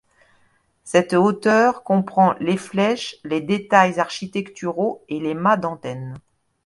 Cette hauteur comprend les flèches, les détails architecturaux et les mâts d'antenne.